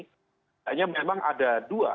sepertinya memang ada dua